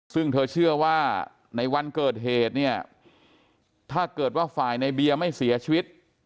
ซึ่งเธอเชื่อว่าในวันเกิดเหตุเนี่ยถ้าเกิดว่าฝ่ายในเบียร์ไม่เสียชีวิต